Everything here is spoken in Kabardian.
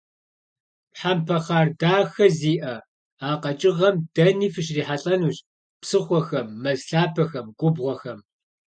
Тхьэмпэ хъар дахэ зиӏэ а къэкӏыгъэм дэни фыщрихьэлӏэнущ: псыхъуэхэм, мэз лъапэхэм, губгъуэхэм.